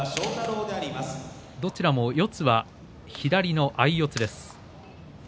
どちらも四つは左の相四つです。